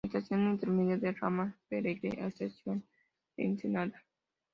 Estación intermedia del ramal Pereyra a Estación Ensenada.